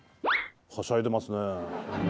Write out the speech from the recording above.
はしゃいでますね。